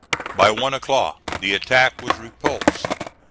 By one o'clock the attack was repulsed.